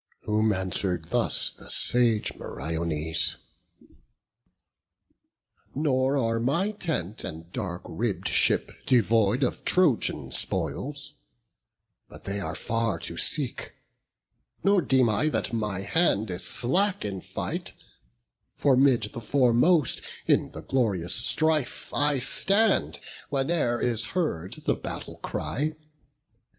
Whom answer'd thus the sage Meriones: "Nor are my tent and dark ribb'd ship devoid Of Trojan spoils; but they are far to seek; Nor deem I that my hand is slack in fight; For 'mid the foremost in the glorious strife I stand, whene'er is heard the battle cry.